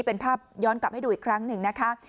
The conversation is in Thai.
เป็นภาพย้อนกลับให้ดูอีกครั้งหนึ่งนะคะ